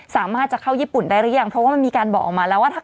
สามารถจะเข้าญี่ปุ่นได้หรือยังเพราะว่ามันมีการบอกออกมาแล้วว่าถ้า